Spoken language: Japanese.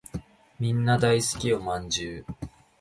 みんな大好きお饅頭